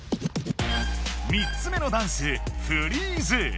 ３つ目のダンス「フリーズ」。